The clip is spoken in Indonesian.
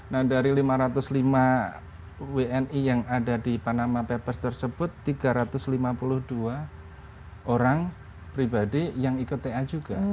nah dari lima ratus lima wni yang ada di panama papers tersebut tiga ratus lima puluh dua orang pribadi yang ikut ta juga